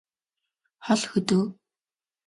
хол хөдөө